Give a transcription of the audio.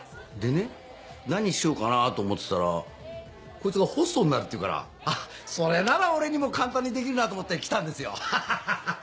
でね何しようかなと思ってたらこいつがホストになるっていうからあっそれなら俺にも簡単にできるなと思って来たんですよ。